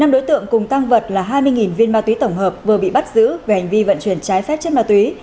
năm đối tượng cùng tăng vật là hai mươi viên ma túy tổng hợp vừa bị bắt giữ về hành vi vận chuyển trái phép chất ma túy